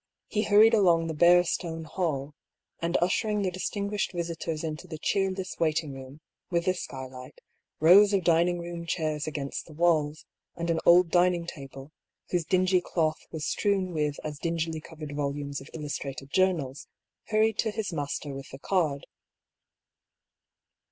he hurried along the hare stone hall, and ushering the distinguished visitors into the cheerless waiting room, with the skylight, rows of dining room chairs against the walls, and an old dining table, whose dingy cloth was strewn with as dingily covered volumes of illustrated journals, hurried to his master with the card.